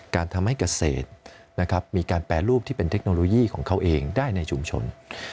การทำให้เกษตรนะครับมีการแปรรูปที่เป็นเทคโนโลยีของเขาเองได้ในชุมชน